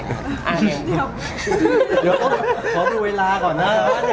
เดี๋ยวขอดูเวลาก่อนนะ